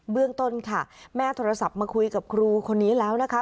เรื่องต้นค่ะแม่โทรศัพท์มาคุยกับครูคนนี้แล้วนะคะ